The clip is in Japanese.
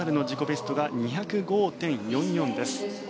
ベストが２０５．４４です。